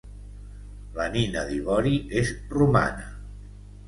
La nina d'ivori és romana.